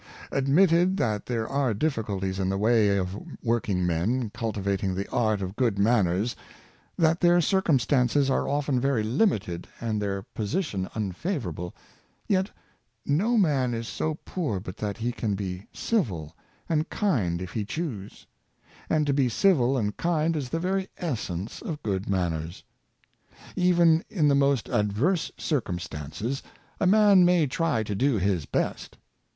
Admitted that there are difficulties in the way of working men cultivating the art of good manners; that their circumstances are often very limited, and their position unfavorable — yet no man is so poor but that he can be civil and kind if he choose; and to be civil and kind is the very essence of good manners. Even in the most adverse circumstances, a man may try to do his best.